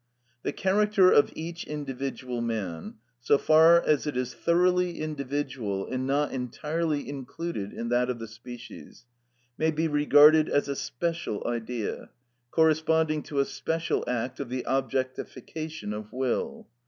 The character of each individual man, so far as it is thoroughly individual, and not entirely included in that of the species, may be regarded as a special Idea, corresponding to a special act of the objectification of will.